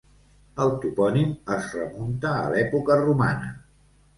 El topònim es remunta a l'època romana.